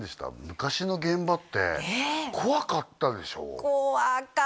昔の現場って怖かったでしょ？